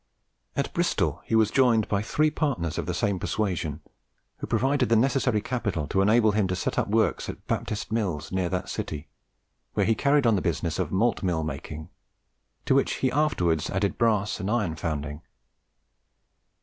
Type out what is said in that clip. At Bristol he was joined by three partners of the same persuasion, who provided the necessary capital to enable him to set up works at Baptist Mills, near that city, where he carried on the business of malt mill making, to which he afterwards added brass and iron founding.